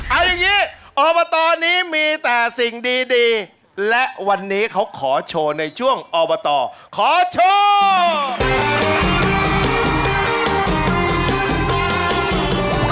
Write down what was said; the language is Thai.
เอาอย่างนี้อบตนี้มีแต่สิ่งดีและวันนี้เขาขอโชว์ในช่วงอบตขอโชค